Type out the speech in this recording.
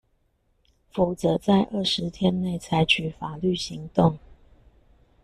否則在二十天內採取法律行動